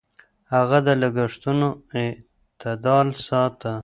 هغه د لګښتونو اعتدال ساته.